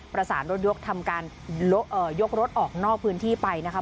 ประสานรถยกยกรถออกนอกพื้นที่ไปนะครับ